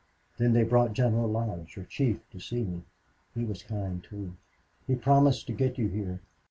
Then they brought General Lodge, your chief, to see me. He was kind, too. He promised to get you here.